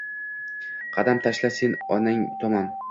“qadam tashla sen onang tomon